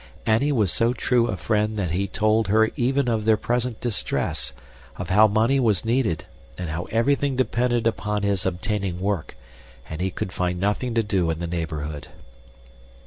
Annie was so true a friend that he told her even of their present distress, of how money was needed and how everything depended upon his obtaining work, and he could find nothing to do in the neighborhood.